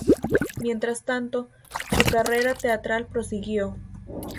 Mientras tanto su carrera teatral prosiguió.